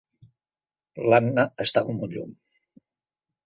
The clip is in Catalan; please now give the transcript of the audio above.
L'Anna està com un llum.